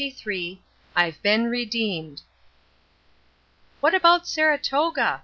"I'VE BEEN REDEEMED." "What about Saratoga?"